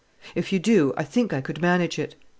If you do, I think I could manage it.